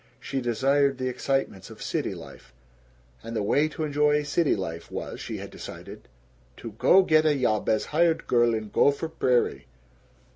She desired the excitements of city life, and the way to enjoy city life was, she had decided, to "go get a yob as hired girl in Gopher Prairie."